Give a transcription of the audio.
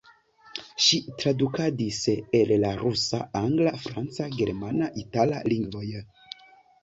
Ŝi tradukadis el la rusa, angla, franca, germana, itala lingvoj.